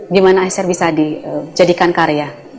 di mana azr bisa dijadikan karya